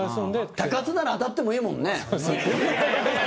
高津なら当たってもいいもんね。